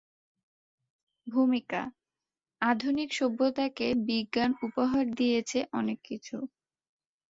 ভূমিকা: আধুনিক সভ্যতাকে বিজ্ঞান উপহার দিয়েছে অনেক কিছু।